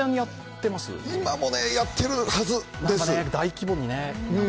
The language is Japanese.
今もやっているはずです。